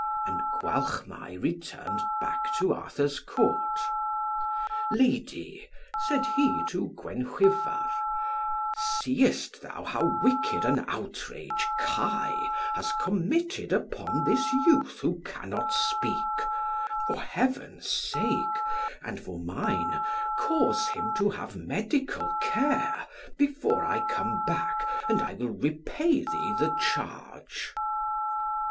And Gwalchmai returned back to Arthur's Court. "Lady," said he to Gwenhwyvar, "seest thou how wicked an outrage Kai has committed upon this youth who cannot speak; for Heaven's sake, and for mine, cause him to have medical care before I come back, and I will repay thee the charge."